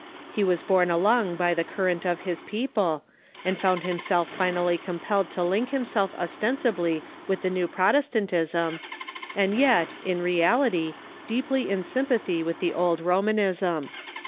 He was borne along by the current of his people, and found himself finally compelled to link himself ostensibly with the new Protestantism, and yet, in reality, deeply in sympathy with the old Romanism.